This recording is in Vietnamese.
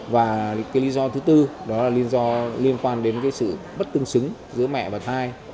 và cái lý do thứ tư đó là liên quan đến sự bất tương xứng giữa mẹ và thai